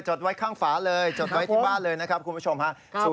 ไว้ข้างฝาเลยจดไว้ที่บ้านเลยนะครับคุณผู้ชมฮะ